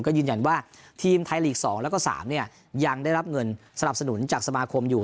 ก็ยืนยันว่าทีมไทยลีก๒แล้วก็๓ยังได้รับเงินสนับสนุนจากสมาคมอยู่